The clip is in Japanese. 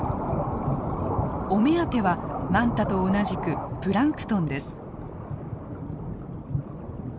お目当てはマンタと同じくプランクトンです。